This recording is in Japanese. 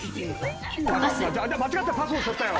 間違ってパス押しちゃったよ。